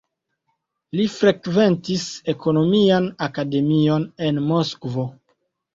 Li frekventis ekonomian akademion en Moskvo.